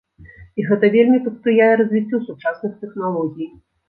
І гэта вельмі паспрыяе развіццю сучасных тэхналогій.